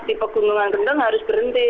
di pegunungan kentang harus berhenti